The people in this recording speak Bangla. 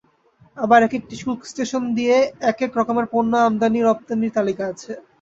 আবার একেকটি শুল্ক স্টেশন দিয়ে একেক রকমের পণ্য আমদানি-রপ্তানির তালিকা আছে।